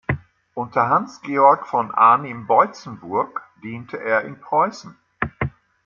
Unter Hans Georg von Arnim-Boitzenburg diente er in Preußen.